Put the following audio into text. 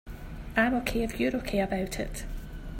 I'm OK if you're OK about it.